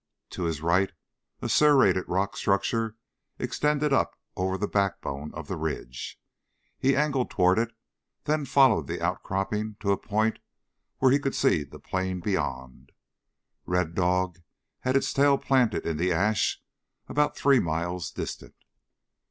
To his right a serrated rock structure extended up over the backbone of the ridge. He angled toward it, then followed the outcropping to a point where he could see the plain beyond. Red Dog had its tail planted in the ash about three miles distant.